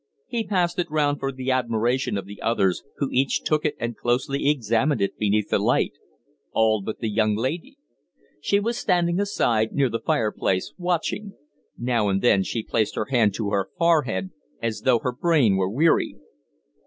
He passed it round for the admiration of the others, who each took it and closely examined it beneath the light all but the young lady. She was standing aside, near the fireplace, watching. Now and then she placed her hand to her forehead, as though her brain were weary."